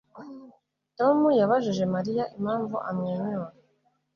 Tom yabajije Mariya impamvu amwenyura